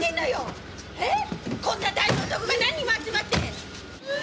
こんな大の男が何人も集まって！